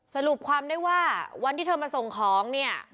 สรุปความว่าที่เธอมาทรงของเนี่ย